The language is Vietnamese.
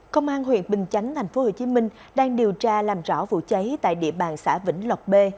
công an huyện bình chánh tp hcm đang điều tra làm rõ vụ cháy tại địa bàn xã vĩnh lộc b